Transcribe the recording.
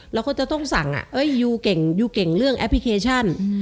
เราก็จะต้องสั่งยูเก่งยูเก่งเรื่องแอปพลิเคชัน